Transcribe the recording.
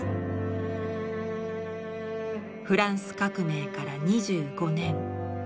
フランス革命から２５年。